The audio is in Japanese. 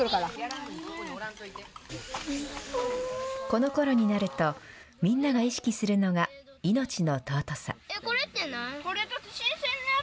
このころになると、みんなが意識するのが、命の尊さ。